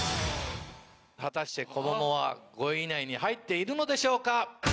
果たしてＫｏｍｏｍｏは５位以内に入っているのでしょうか？